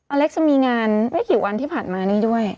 อเล็กซ์จะมีงานไม่กี่วันที่ผ่านมานี้ด้วย